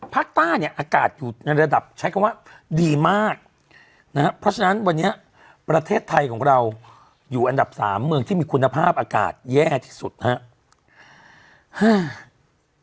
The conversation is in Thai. ภาคใต้เนี่ยอากาศอยู่ในระดับใช้คำว่าดีมากนะฮะเพราะฉะนั้นวันนี้ประเทศไทยของเราอยู่อันดับสามเมืองที่มีคุณภาพอากาศแย่ที่สุดนะครับ